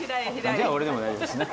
じゃあ俺でも大丈夫ですね。